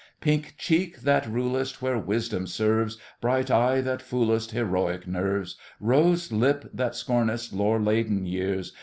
Pink cheek, that rulest Where wisdom serves! Bright eye, that foolest Heroic nerves! Rose lip, that scornest Lore laden years!